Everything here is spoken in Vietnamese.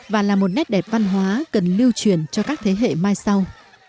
và là một nét đẹp văn hóa cần lưu truyền cho các thế hệ mai sau